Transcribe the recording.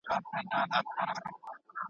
مادي پانګه پرته له ټیکنالوژۍ نیمګړې ده.